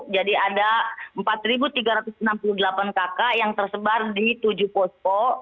jadi ada empat tiga ratus enam puluh delapan kakak yang tersebar di tujuh posko